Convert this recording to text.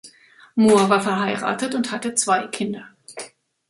Mohr war verheiratet und hatte zwei Kinder.